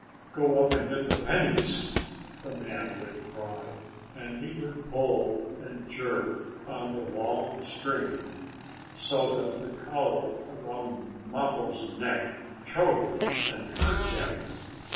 "Go up and get the pennies!" the man would cry, and he would pull and jerk on the long string so that the collar around Mappo's neck choked and hurt him.